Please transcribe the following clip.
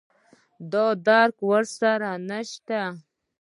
دا درک ور سره نشته